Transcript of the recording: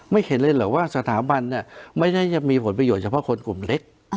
เห็นเลยเหรอว่าสถาบันเนี่ยไม่ได้มีผลประโยชนเฉพาะคนกลุ่มเล็ก